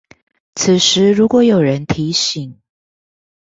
此時如果有人提醒